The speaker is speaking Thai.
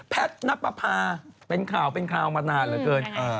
แพทนัปภาเป็นข่าวมานานเหลือเกิน